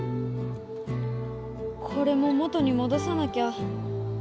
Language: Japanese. これも元にもどさなきゃ。